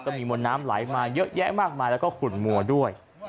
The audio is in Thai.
มีมวลน้ำไหลมาเยอะแยะมากมายแล้วก็ขุนมัวด้วย